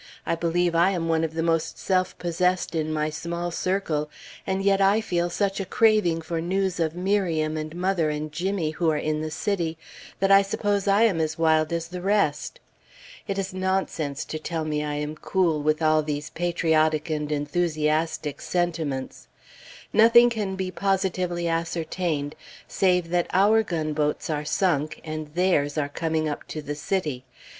I believe I am one of the most self possessed in my small circle; and yet I feel such a craving for news of Miriam, and mother, and Jimmy, who are in the city, that I suppose I am as wild as the rest. It is nonsense to tell me I am cool, with all these patriotic and enthusiastic sentiments. Nothing can be positively ascertained, save that our gunboats are sunk, and theirs are coming up to the city.